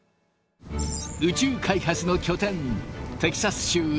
宇宙開発の拠点